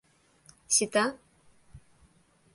Сита?